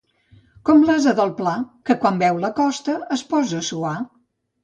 Com l'ase del pla, que quan veu la costa es posa a suar.